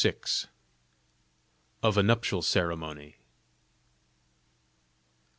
OF A NUPTIAL CEREMONY.